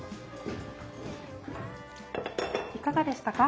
いかがでしたか？